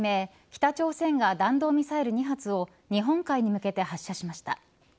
北朝鮮が弾道ミサイル２発を日本海に向けて発射しました。